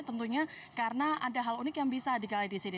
tentunya karena ada hal unik yang bisa digalai di sini